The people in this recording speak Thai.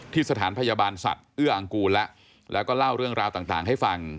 สถานพยาบาลสัตว์เอื้ออังกูลแล้วแล้วก็เล่าเรื่องราวต่างให้ฟัง